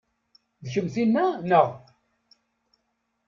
D kemm tinna, neɣ?